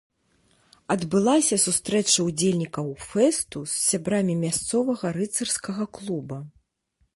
Адбылася сустрэча ўдзельнікаў фэсту з сябрамі мясцовага рыцарскага клуба.